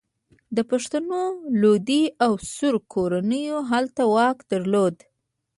د پښتنو لودي او سور کورنیو هلته واک درلود.